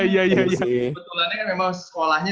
betulannya kan memang sekolahnya